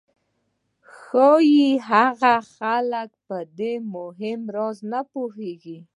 ښایي هغه خلک په دې مهم راز نه پوهېږي